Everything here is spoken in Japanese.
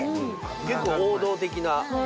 結構王道的な。